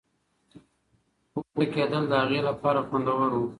پورته کېدل د هغې لپاره خوندور وو.